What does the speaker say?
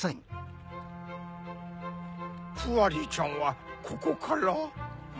フワリーちゃんはここから？